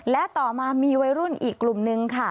และต่อมามีวัยรุ่นอีกกลุ่มนึงค่ะ